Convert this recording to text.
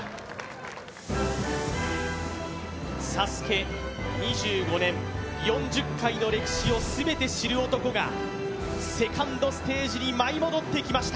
ＳＡＳＵＫＥ、２５年、４０回の歴史を全て知る男がセカンドステージへ舞い戻ってきました。